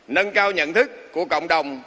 nâng cao nhận thức của cộng đồng